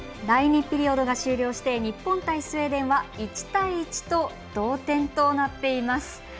第２ピリオドが終了して日本対スウェーデンは１対１と同点となっています。